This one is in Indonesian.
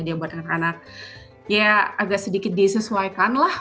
dia buat anak anak ya agak sedikit disesuaikan lah